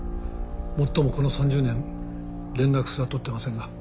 もっともこの３０年連絡すら取ってませんが。